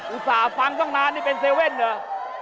ต่าฟังตั้งนานนี่เป็นเซเว่นเหรอ